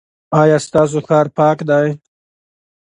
ایا ستاسو ښار پاک دی؟